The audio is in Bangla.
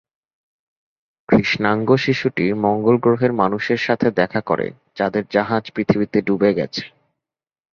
কৃষ্ণাঙ্গ শিশুটি মঙ্গল গ্রহের মানুষের সাথে দেখা করে যাদের জাহাজ পৃথিবীতে ডুবে গেছে।